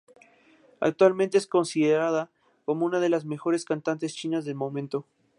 Actualmente es considerada como una de las mejores cantantes chinas del momento.